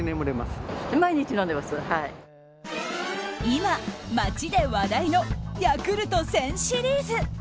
今、街で話題のヤクルト１０００シリーズ。